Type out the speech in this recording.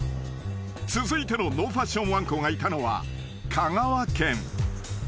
［続いてのノーファッションわんこがいたのは香川県］